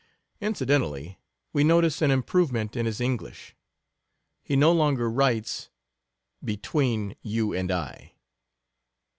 Incidentally, we notice an improvement in his English. He no longer writes "between you and I."